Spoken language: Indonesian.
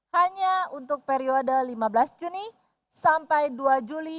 hanya untuk periode lima belas juni sampai dua juli dua ribu dua puluh